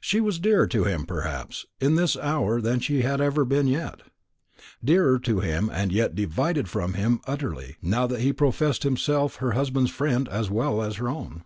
She was dearer to him, perhaps, in this hour than she had ever been yet. Dearer to him, and yet divided from him utterly, now that he professed himself her husband's friend as well as her own.